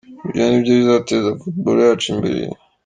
Ibyo nibyo bizateza football yacu imbere?